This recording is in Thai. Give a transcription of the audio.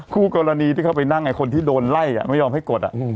คู่กรณีที่เขาไปนั่งไอ้คนที่โดนไล่ไม่ยอมให้กด